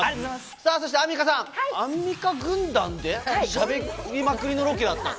さあそしてアンミカさん、アンミカ軍団でしゃべりまくりのロケだった？